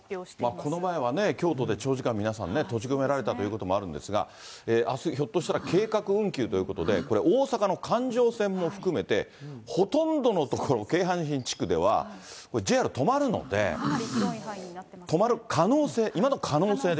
この前はね、京都で長時間、皆さんね、閉じ込められたということもあるんですが、あす、ひょっとしたら計画運休ということで、これ、大阪の環状線も含めて、ほとんどの所、京阪神地区では、ＪＲ止まるので。